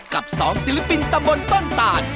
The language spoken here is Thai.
กับ๒ศิลปินตำบลต้นต่าน